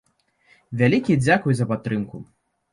Вялікі дзякуй за падтрымку!